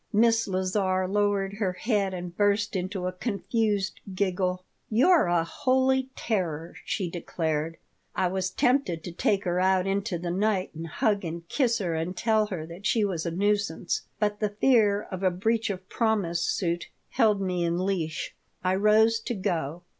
Miss Lazar lowered her head and burst into a confused giggle "You're a holy terror," she declared. I was tempted to take her out into the night and hug and kiss her and tell her that she was a nuisance, but the fear of a breach of promise suit held me in leash I rose to go.